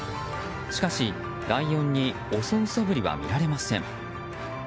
しかし、ライオンに襲うそぶりは見られません。